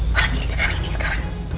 malam ini sekarang